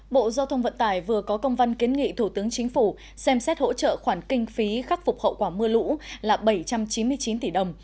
bộ giao thông vận tải vừa có công văn kiến nghị thủ tướng chính phủ xem xét hỗ trợ khoản kinh phí khắc phục hậu quả mưa lũ là bảy trăm chín mươi chín tỷ đồng